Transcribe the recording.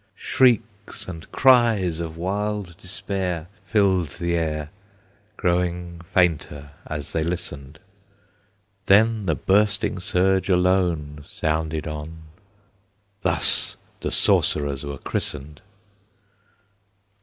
Shrieks and cries of wild despair Filled the air, Growing fainter as they listened; Then the bursting surge alone Sounded on; Thus the sorcerers were christened!